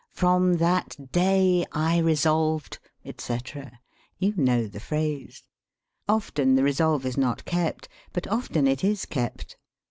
'From that day I resolved ' etc. You know the phrase. Often the resolve is not kept; but often it is kept.